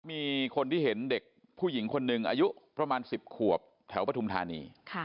มีคนที่เห็นเด็กผู้หญิงคนหนึ่งอายุประมาณ๑๐ขวบแถวปฐุมธานี